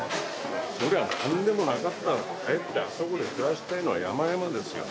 そりゃ何でもなかったら帰ってあそこで暮らしたいのはやまやまですよ